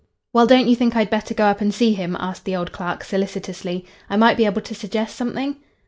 "Well, don't you think I'd better go up and see him?" asked the old clerk, solicitously. "I might be able to suggest something?"